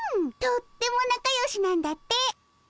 とってもなかよしなんだって。